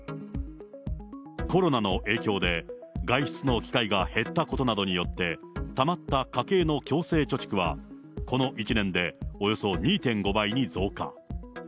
コロナの影響で、外出の機会が減ったことなどによって、たまった家計の強制貯蓄は、この１年でおよそ２．５倍に増加。